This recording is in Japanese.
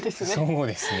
そうですね